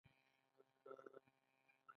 زه د ډیټا ساینس کورس تعقیبوم.